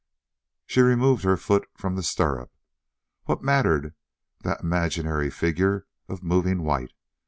She removed her foot from the stirrup. What mattered that imaginary figure of moving white?